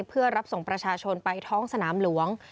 เพื่อรับส่งประชาชนไปท้องสนามหลวง